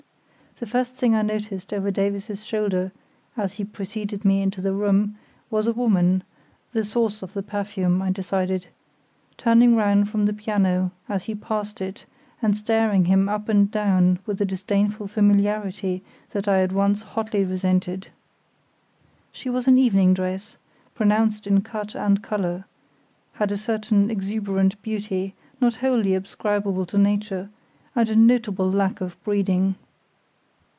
The first thing I noticed over Davies's shoulder, as he preceded me into the room, was a woman—the source of the perfume I decided—turning round from the piano as he passed it and staring him up and down with a disdainful familiarity that I at once hotly resented. She was in evening dress, pronounced in cut and colour; had a certain exuberant beauty, not wholly ascribable to nature, and a notable lack of breeding.